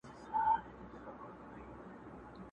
زما به هم د غزلونو، دېوان وي، او زه به نه یم.!